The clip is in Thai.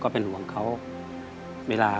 เป็นห่วงเขาเวลา